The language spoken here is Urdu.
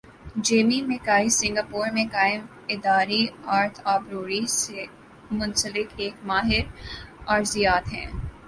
جیمی مک کائی سنگاپور میں قائم اداری ارتھ آبرو یٹری سی منسلک ایک ماہر ارضیات ہیں۔